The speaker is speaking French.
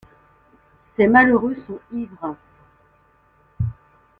Ces malheureux sont ivres.